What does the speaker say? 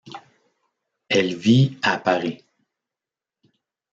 Elle vit à Paris.